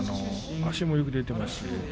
足もよく出ています。